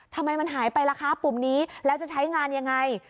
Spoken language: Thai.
ทำไมมันหายไปล่ะคะปุ่มนี้แล้วจะใช้งานยังไง